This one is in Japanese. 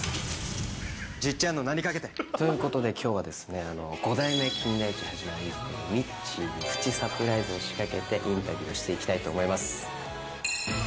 じっちゃんの名にかけて。ということで、きょうは５代目金田一一を演じているみっちーにプチサプライズを仕掛けて、インタビューしていきたいと思います。